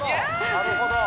なるほど！